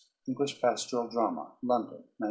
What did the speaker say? English Pastoral Drama, London, 1908.